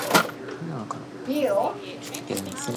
His new clothes were designed by Shinichi "Miter" Mita.